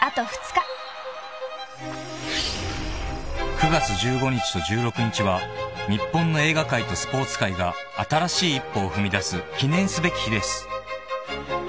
［９月１５日と１６日は日本の映画界とスポーツ界が新しい一歩を踏みだす記念すべき日です］